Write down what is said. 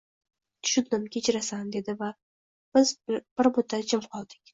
Tushundim. Kechirasan, – dedi u va biz bir muddat jim qoldik.